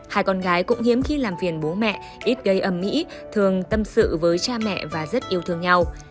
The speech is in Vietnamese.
hai con gái cũng hiếm khi làm phiền bố mẹ ít gây âm mỹ thường tâm sự với cha mẹ và rất yêu thương nhau